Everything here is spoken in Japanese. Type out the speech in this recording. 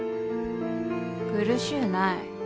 苦しうない。